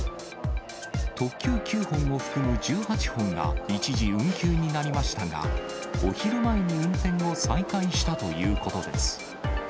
特急９本を含む１８本が一時、運休になりましたが、お昼前に運転を再開したということです。